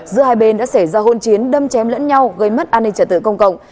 giữa hai bên đã xảy ra hôn chiến đâm chém lẫn nhau gây mất an ninh trả tự công cộng